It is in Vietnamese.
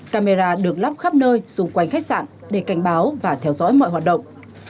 camera được lắp khắp nơi xung quanh khách sạn để cảnh báo và theo dõi mọi hoạt động